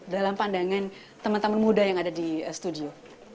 dalam pandangan teman teman muda yang ada di studio